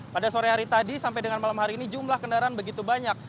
pada sore hari tadi sampai dengan malam hari ini jumlah kendaraan begitu banyak